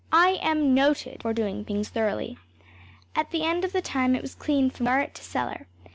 I am noted for doing things thoroughly. At the end of the time it was clean from garret to cellar.